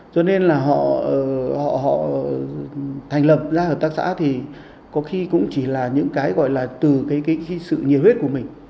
cho nên là họ thành lập ra hợp tác xã thì có khi cũng chỉ là những cái gọi là từ cái sự nhiệt huyết của mình